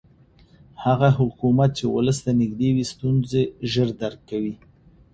هغه حکومت چې ولس ته نږدې وي ستونزې ژر درک کوي